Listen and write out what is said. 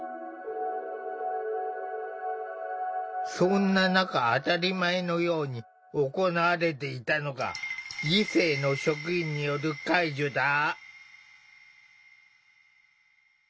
そんな中当たり前のように行われていたのが異性の職員による介助だ。